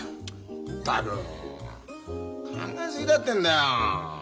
ったく考え過ぎだってんだよ。